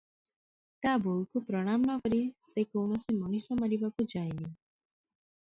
ତା ବୋଉକୁ ପ୍ରଣାମ ନକରି ସେ କୌଣସି ମଣିଷ ମାରିବାକୁ ଯାଏନି